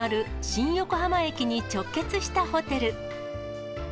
新幹線が止まる新横浜駅に直結したホテル。